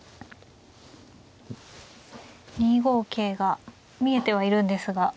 ２五桂が見えてはいるんですが。